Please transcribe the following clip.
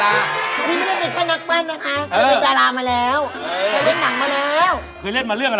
แต่ละครก็เคยเล่นกันเล่าอย่างบ้าง